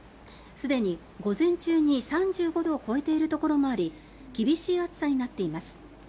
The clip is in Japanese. すでに午前中に３５度を超えているところもあり厳しい暑さになっています。